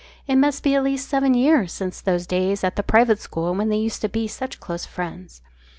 It must be at least seven years since those days at the private school when they used to be such close friends.